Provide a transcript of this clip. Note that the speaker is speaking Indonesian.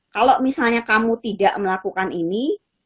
kalau misalnya kamu tidak melakukan ini